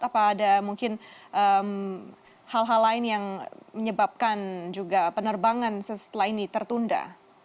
apa ada mungkin hal hal lain yang menyebabkan penerbangan seselaini tertunda